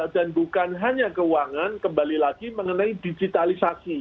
dan bukan hanya keuangan kembali lagi mengenai digitalisasi